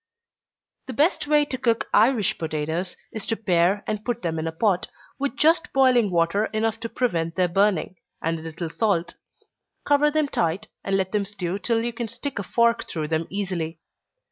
_ The best way to cook Irish potatoes, is to pare and put them in a pot, with just boiling water enough to prevent their burning, and a little salt. Cover them tight, and let them stew till you can stick a fork through them easily.